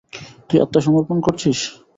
তুই আত্মসমর্পণ করছিস?